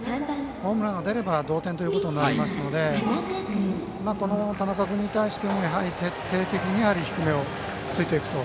ホームランが出れば同点となりますのでこの田中君に対して徹底的に低めをついていくと。